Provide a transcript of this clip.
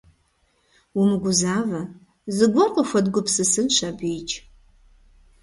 Умыгузавэ, зыгуэр къыхуэдгупсысынщ абыикӏ.